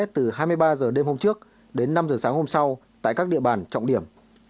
từ hai mươi ba h đêm hôm trước đến năm h sáng hôm sau tại các địa bàn trọng điểm